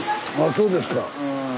そうですか。